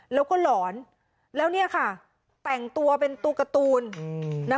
แล้วก็หลอนแล้วเนี่ยค่ะแต่งตัวเป็นตัวการ์ตูน